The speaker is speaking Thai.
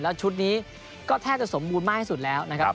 แล้วชุดนี้ก็แทบจะสมบูรณ์มากที่สุดแล้วนะครับ